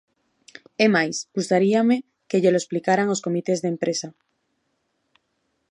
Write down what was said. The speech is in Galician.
É máis, gustaríame que llelo explicaran aos comités de empresa.